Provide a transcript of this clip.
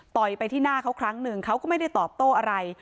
ไปที่หน้าเขาครั้งหนึ่งเขาก็ไม่ได้ตอบโต้อะไร